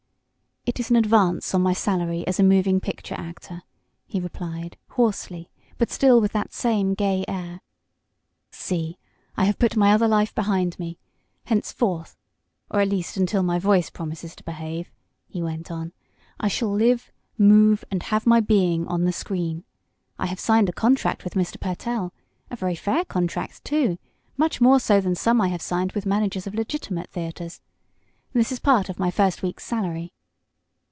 "It is an advance on my salary as a moving picture actor," he replied, hoarsely, but still with that same gay air. "See, I have put my other life behind me. Henceforth or at least until my voice promises to behave," he went on, "I shall live, move and have my being on the screen. I have signed a contract with Mr. Pertell a very fair contract, too, much more so than some I have signed with managers of legitimate theaters. This is part of my first week's salary.